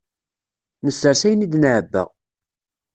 Nessers ayen id-nɛebba.